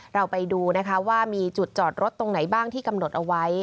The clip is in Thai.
เราไปดูนะคะว่ามีจุดจอดรถตรงไหนบ้างที่กำหนดเอาไว้